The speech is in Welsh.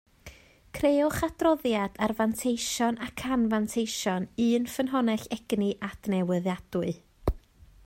Crëwch adroddiad ar fanteision ac anfanteision un ffynhonnell egni adnewyddadwy